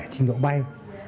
trình độ bay